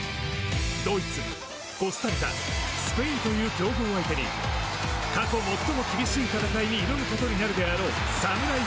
ドイツ、コスタリカスペインという強豪相手に過去最も厳しい戦いに挑むことになるであろうサムライ